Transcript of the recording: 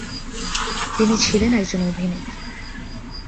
তিনি ছিলেন একজন অভিনেত্রী।